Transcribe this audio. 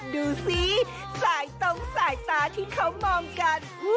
ดูสิสายตรงสายตาที่เขามองกัน